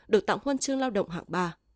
được tặng huân chương lao động hạng ba